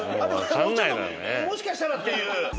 ちょっともしかしたらっていう。